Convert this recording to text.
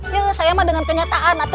ya saya dengan kenyataan